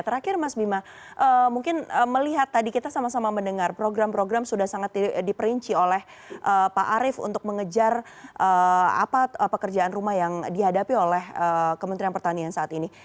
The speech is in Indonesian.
terakhir mas bima mungkin melihat tadi kita sama sama mendengar program program sudah sangat diperinci oleh pak arief untuk mengejar apa pekerjaan rumah yang dihadapi oleh kementerian pertanian saat ini